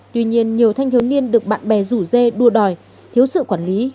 tuy nhiên nhiều thanh thiếu niên được bạn bè rủ dê đua đòi thiếu sự quản lý